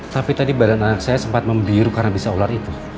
tapi tadi badan anak saya sempat membiru karena bisa ular itu